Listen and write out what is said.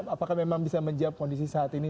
apakah memang bisa menjawab kondisi saat ini